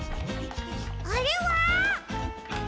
あれは？